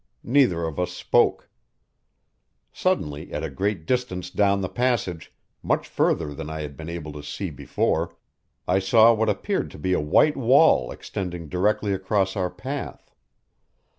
Neither of us spoke. Suddenly, at a great distance down the passage, much further than I had been able to see before, I saw what appeared to be a white wall extending directly across our path.